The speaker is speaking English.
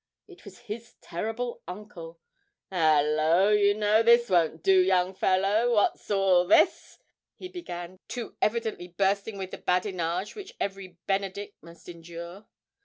It was his terrible uncle! ''Ullo, you know, this won't do, young fellow; what's all this?' he began, too evidently bursting with the badinage which every Benedick must endure.